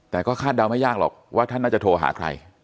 แต่ก็คาดเดาไม่ยากหรอกว่าท่านน่าจะโทรหาใคร